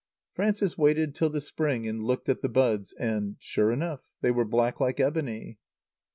Frances waited till the spring and looked at the buds, and, sure enough, they were black like ebony.